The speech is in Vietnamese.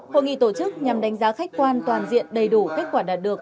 hội nghị tổ chức nhằm đánh giá khách quan toàn diện đầy đủ kết quả đạt được